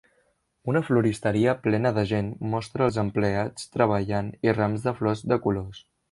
Una floristeria plena de gent mostra els empleats treballant i rams de flors de colors.